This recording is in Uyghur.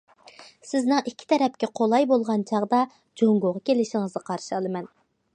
سىزنىڭ ئىككى تەرەپكە قولاي بولغان چاغدا جۇڭگوغا كېلىشىڭىزنى قارشى ئالىمەن.